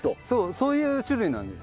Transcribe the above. そういう種類なんです。